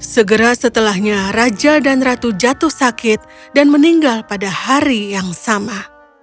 segera setelahnya raja dan ratu jatuh sakit dan meninggal pada hari yang sama